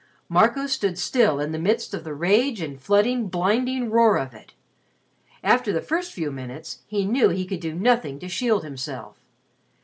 Marco stood still in the midst of the rage and flooding, blinding roar of it. After the first few minutes he knew he could do nothing to shield himself.